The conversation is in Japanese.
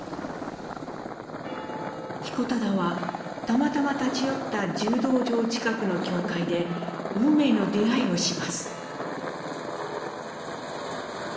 彦忠はたまたま立ち寄った柔道場近くの教会で運命の出会いをします。